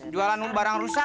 jualan lo barang rusak